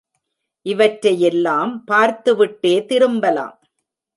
இவற்றையெல்லாம் பார்த்து விட்டே திரும்பலாம்.